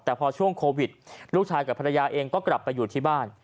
แต่พอช่วงโควิดลูกชายกับภรรยาเองก็กลับไปอยู่ที่บ้าน